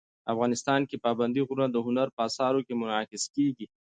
افغانستان کې پابندی غرونه د هنر په اثار کې منعکس کېږي.